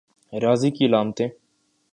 ریاضی کی علامتیں